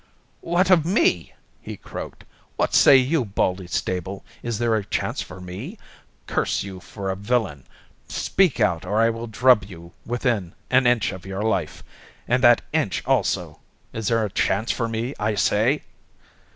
"What of me?" he croaked. "What say you, Baldy Stable? Is there a chance for me? Curse you for a villain! speak out, or I will drub you within an inch of your life, and that inch also! Is there a chance for me, I say?"